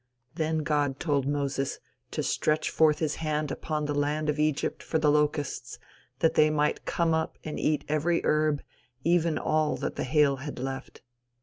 Then God told Moses to stretch forth his hand upon the land of Egypt for the locusts, that they might come up and eat every herb, even all that the hail had left.